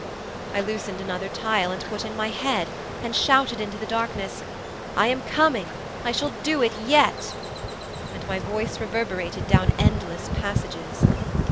I loosened another tile, and put in my head, and shouted into the darkness: "I am coming, I shall do it yet," and my voice reverberated down endless passages.